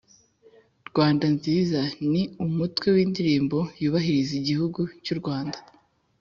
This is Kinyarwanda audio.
rwanda nziza: ni umutwe w’indirimbo yubahiriza igihugu cy’u rwanda